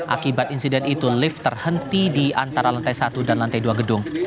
akibat insiden itu lift terhenti di antara lantai satu dan lantai dua gedung